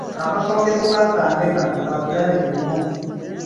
Akasongezo k'akambe kano ka bulabe nnyo.